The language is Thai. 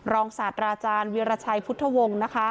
ศาสตราอาจารย์วีรชัยพุทธวงศ์นะคะ